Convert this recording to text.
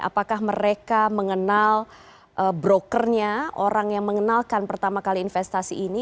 apakah mereka mengenal brokernya orang yang mengenalkan pertama kali investasi ini